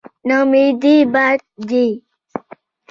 نااميدي بد دی.